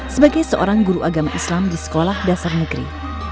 sebagai seorang guru agama islam di sekolah dasar negeri